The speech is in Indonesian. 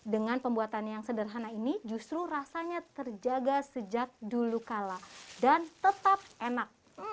dengan pembuatan yang sederhana ini justru rasanya terjaga sejak dulu kala dan tetap enak